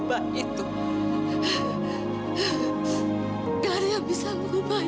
mbak haunted adalah anak yang luar biasa